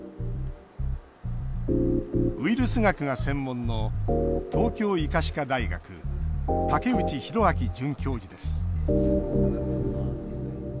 ウイルス学が専門の東京医科歯科大学武内寛明准教授です。